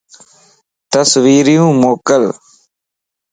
تصويريون موڪل